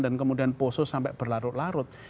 dan kemudian posos sampai berlarut larut